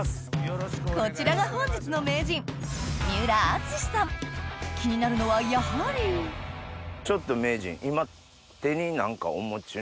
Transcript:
こちらが本日の名人気になるのはやはりちょっと名人今手に何かお持ちの箱。